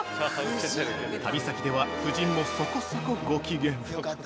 ◆旅先では夫人も、そこそこご機嫌